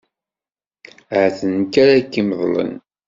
Ahat d nekk ara k-imeḍlen.